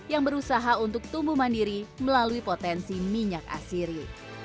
yang berusaha untuk tumbuh mandiri melalui potensi minyak asiri